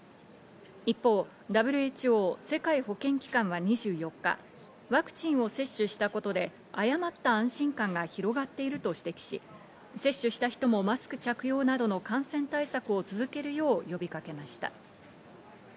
一方、ＷＨＯ＝世界保健機関は２４日、ワクチンを接種したことで誤った安心感が広がっていると指摘し、接種した人もマスク着用などの感染対策を続けるよう呼びかけました。